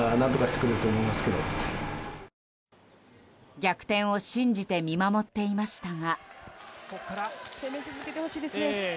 逆転を信じて見守っていましたが。